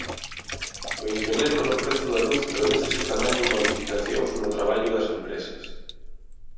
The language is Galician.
O incremento no prezo da luz tradúcese tamén en modificacións no traballo das empresas.